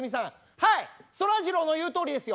「はいそらジローの言うとおりですよ」。